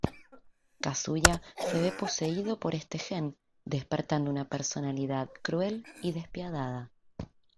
Kazuya se ve poseído por este gen, despertando una personalidad cruel y despiadada.